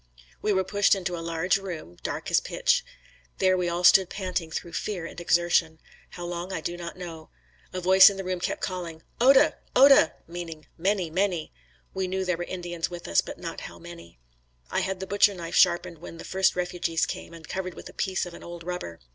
We were pushed into a large room, dark as pitch. There we all stood panting through fear and exertion. How long, I do not know. A voice in the room kept calling, "Ota! Ota!" meaning "Many! Many!" We knew there were Indians with us, but not how many. I had the butcher knife sharpened when the first refugees came and covered with a piece of an old rubber.